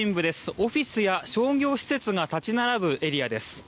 オフィスや商業施設が建ち並ぶエリアです。